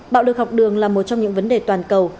bạo lực học đường là một trong những vấn đề toàn cầu